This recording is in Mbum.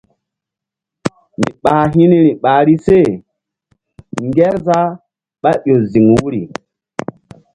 Mi ɓah hi̧ niri ɓahri se Ŋgerzah ɓá ƴo ziŋ wuri.